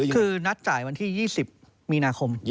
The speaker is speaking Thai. คือนัดจ่ายวันที่๒๐มีนาคม